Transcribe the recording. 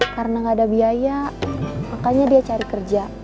karena gak ada biaya makanya dia cari kerja